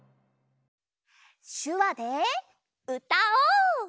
しゅわでうたおう！